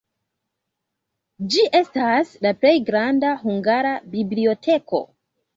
Ĝi estas la plej granda hungara biblioteko.